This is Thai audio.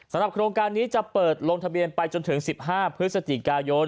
โครงการนี้จะเปิดลงทะเบียนไปจนถึง๑๕พฤศจิกายน